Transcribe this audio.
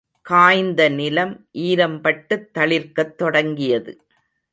காய்ந்த நிலம் ஈரம் பட்டுத் தளிர்க்கத் தொடங்கியது.